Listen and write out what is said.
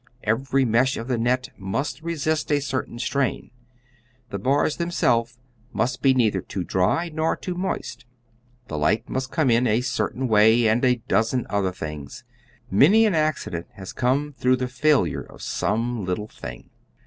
Every mesh of the net must resist a certain strain. The bars themselves must be neither too dry nor too moist. The light must come in a certain way, and a dozen other things. Many an accident has come through the failure of some little thing.